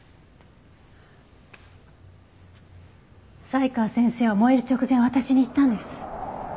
才川先生は燃える直前私に言ったんです。